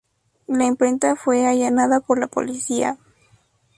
La imprenta fue allanada por la policía.